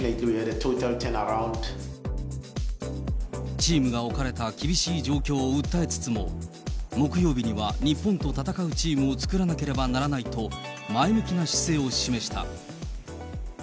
チームが置かれた厳しい状況を訴えつつも、木曜日には日本と戦うチームを作らなければならないと前向きな姿勢を示した。